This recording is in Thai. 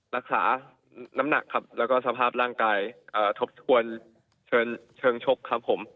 รักษาน้ำหนักครับแล้วก็สภาพร่างกายทบทวนเชิงชกครับผม